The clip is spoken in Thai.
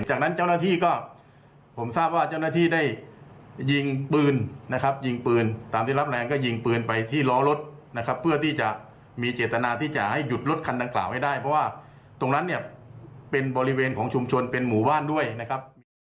จากนั้นเจ้าหน้าที่ก็ผมทราบว่าเจ้าหน้าที่ได้ยิงปืนนะครับยิงปืนตามที่รับแรงก็ยิงปืนไปที่ล้อรถนะครับเพื่อที่จะมีเจตนาที่จะให้หยุดรถคันดังกล่าวให้ได้เพราะว่าตรงนั้นเนี่ยเป็นบริเวณของชุมชนเป็นหมู่บ้านด้วยนะครับ